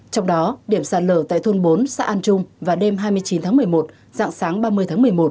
trong đó điểm sạt lở tại thôn bốn xã an trung vào đêm hai mươi chín tháng một mươi một dạng sáng ba mươi tháng một mươi một